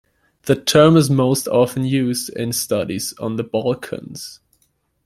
The term is most often used in studies on the Balkans.